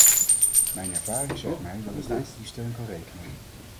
Mijn ervaring zegt mij dat ik op die steun kan rekenen.